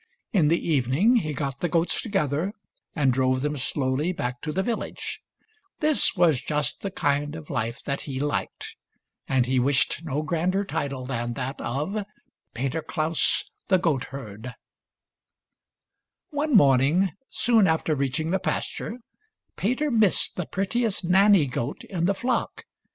In the evening he got the goats to gether and drove them slowly back to the village. This was just the kind of life that he liked, and THIKTY MOKE FAM. STO. — 1 5 225 226. THIRTY MORE FAMOUS STORIES he wished no grander title than that of " Peter Klaus the goatherd." One morning, soon after reaching the pasture, Peter missed the prettiest Nanny goat in the flock.